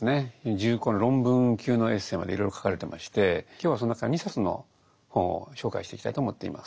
重厚な論文級のエッセイまでいろいろ書かれてまして今日はその中から２冊の本を紹介していきたいと思っています。